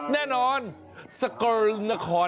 แน่นอนสกรึงนคร